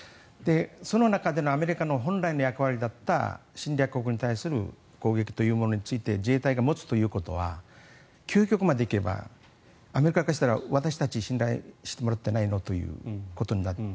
その中でのアメリカの本来の役割だった侵略国に対する攻撃というものについて自衛隊が持つということは究極まで行けばアメリカからしたら私たち信頼してもらってないの？ということになる。